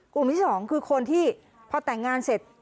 กลุ่มที่๒คือคนที่พอแต่งงานเสร็จ